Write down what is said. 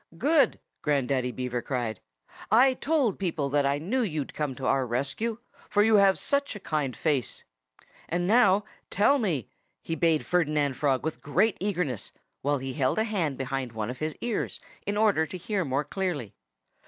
"Good!" Grandaddy Beaver cried. "I told people that I knew you'd come to our rescue, for you have such a kind face! ... "And now, tell me!" he bade Ferdinand Frog with great eagerness, while he held a hand behind one of his ears, in order to hear more clearly.